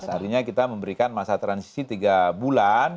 harinya kita memberikan masa transisi tiga bulan